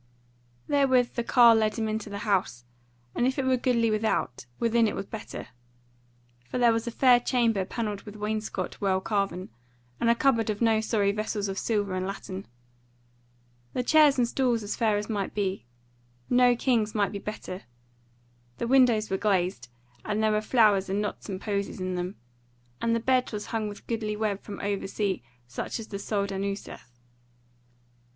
Therewith the carle led him into the house; and if it were goodly without, within it was better. For there was a fair chamber panelled with wainscot well carven, and a cupboard of no sorry vessels of silver and latten: the chairs and stools as fair as might be; no king's might be better: the windows were glazed, and there were flowers and knots and posies in them; and the bed was hung with goodly web from over sea such as the soldan useth.